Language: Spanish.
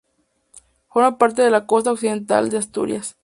Forma parte de la Costa Occidental de Asturias.